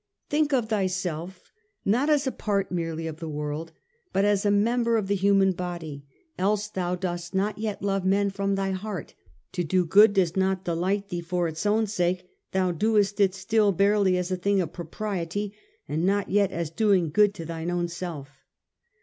' Think of thyself not as a part merely of the world, but as a member of the human body, else thou dost not yet love men from thy heart ; to do good does not delight thee for its own sake ; thou doest it still barely as a thing of propriety, and not yet as doing good to thine own self.